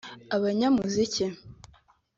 abanyamuziki…